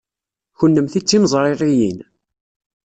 Kennemti d timeẓririyin?